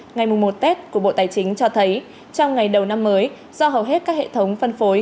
ngày một tết của bộ tài chính cho thấy trong ngày đầu năm mới do hầu hết các hệ thống phân phối